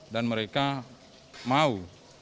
dan mereka mau